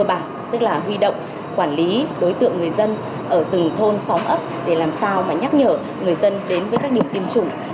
cơ bản tức là huy động quản lý đối tượng người dân ở từng thôn xóm ấp để làm sao mà nhắc nhở người dân đến với các điểm tiêm chủng